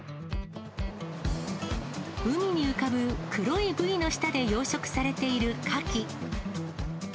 海に浮かぶ黒いブイの下で養殖されているカキ。